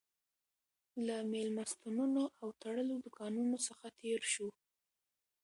له مېلمستونونو او تړلو دوکانونو څخه تېر شوو.